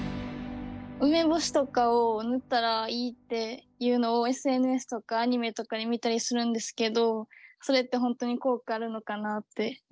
梅干しとかを塗ったらいいっていうのをＳＮＳとかアニメとかで見たりするんですけどそれって本当に効果あるのかなあっていう。